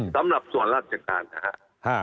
สำหรับส่วนราชการนะครับ